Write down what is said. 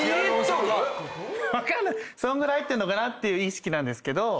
そんぐらい入ってんのかなっていう意識なんですけど。